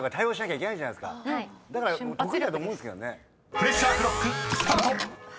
［プレッシャークロックスタート！］